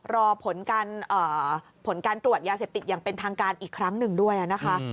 รอผลการตรวจยาเสพติดอย่างเป็นทางการอีกครั้งหนึ่งด้วยนะคะ